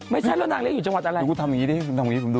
ไม่ใช่หรอกนางเลี้ยงอยู่จังหวัดอะไรดูดูกูทำยังงี้ดิ